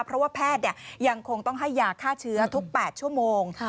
เพราะว่าแพทย์ยังคงต้องให้ยาฆ่าเชื้อทุก๘ชั่วโมง